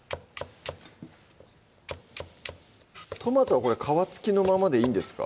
トマトは皮付きのままでいいんですか？